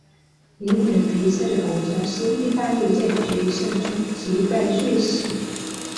赢得比赛的国家是意大利在决赛中击败瑞士。